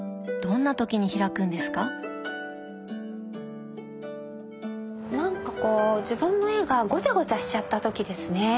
なんかこう自分の絵がごちゃごちゃしちゃった時ですね。